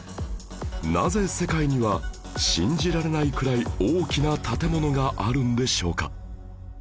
なぜ世界には信じられないくらい大きな建物があるんでしょうか？